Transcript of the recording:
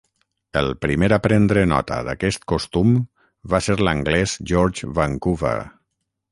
El primer a prendre nota d'aquest costum va ser l'anglès George Vancouver.